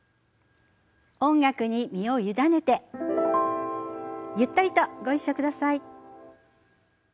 音楽に身を委ねてゆったりとご一緒ください。